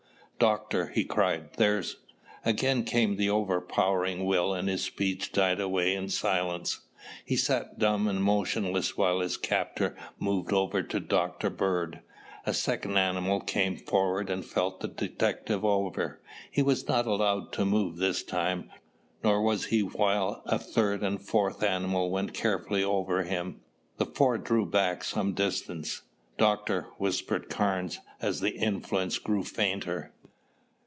"Doctor!" he cried, "there's " Again came the overpowering will and his speech died away in silence. He sat dumb and motionless while his captor moved over to Dr. Bird. A second animal came forward and felt the detective over. He was not allowed to move this time, nor was he while a third and fourth animal went carefully over him. The four drew back some distance. "Doctor," whispered Carnes as the influence grew fainter.